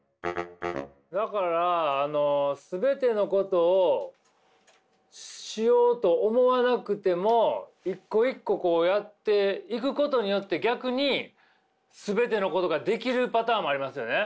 だから全てのことをしようと思わなくても一個一個やっていくことによって逆に全てのことができるパターンもありますよね。